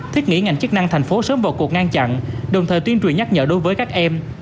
thiết nghĩ ngành chức năng thành phố sớm vào cuộc ngăn chặn đồng thời tuyên truyền nhắc nhở đối với các em